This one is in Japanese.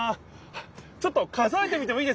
ちょっと数えてみてもいいですか？